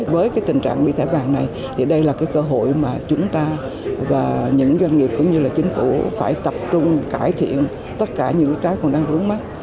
với tình trạng bị thẻ vàng này thì đây là cơ hội mà chúng ta và những doanh nghiệp cũng như chính phủ phải tập trung cải thiện tất cả những cái còn đang vướng mắt